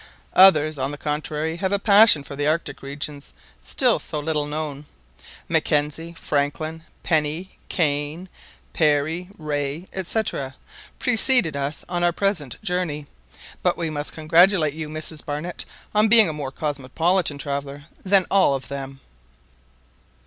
Others, on the contrary, have a passion for the Arctic regions, still so little known. Mackenzie, Franklin, Penny, Kane, Parry, Rae, &c., preceded us on our present journey; but we must congratulate you, Mrs Barnett, on being a more cosmopolitan traveller than all of them."